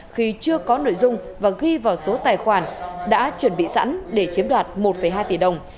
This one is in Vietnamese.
khi chưa có nội dung và ghi vào số tài khoản đã chuẩn bị sẵn để chiếm đoạt một hai tỷ đồng